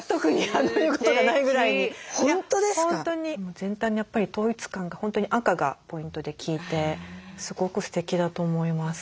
全体にやっぱり統一感が本当に赤がポイントで効いてすごくステキだと思います。